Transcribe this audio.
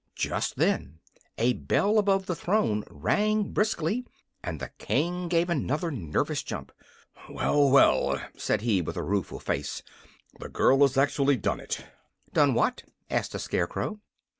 Just then a bell above the throne rang briskly, and the King gave another nervous jump. "Well, well!" said he, with a rueful face; "the girl has actually done it." "Done what?" asked the Scarecrow.